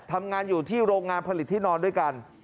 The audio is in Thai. ทำงานอยู่ที่โรงงานผลิตที่นอนด้วยกัน